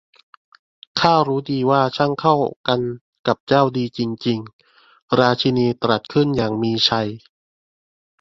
'ข้ารู้ดีว่า ช่างเข้ากันกับเจ้าดีจริง ๆ ! ' ราชินีตรัสขึ้นอย่างมีชัย